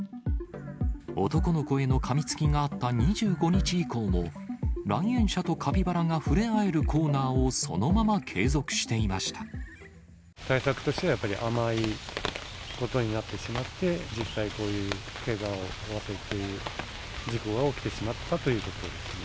男の子へのかみつきがあった２５日以降も、来園者とカピバラが触れ合えるコーナーをそのまま継続していまし対策としては、やっぱり甘いことになってしまって、実際、こういうけがを負わせる事故が起きてしまったということですね。